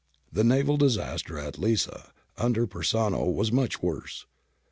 The naval disaster at Lissa, under Persano, was much worse.